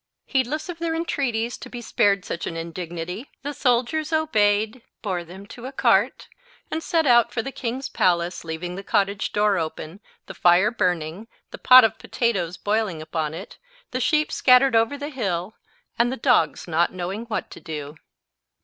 Heedless of their entreaties to be spared such an indignity, the soldiers obeyed, bore them to a cart, and set out for the king's palace, leaving the cottage door open, the fire burning, the pot of potatoes boiling upon it, the sheep scattered over the hill, and the dogs not knowing what to do.